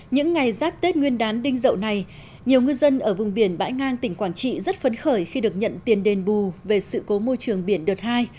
những ngày giáp tết nguyên đán đinh dậu này nhiều ngư dân ở vùng biển bãi ngang tỉnh quảng trị rất phấn khởi khi được nhận tiền đền bù về sự cố môi trường biển đợt hai